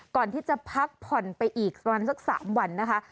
ก่อนที่จะพักผ่อนไปอีกประมาณสัก๓วันนะคะ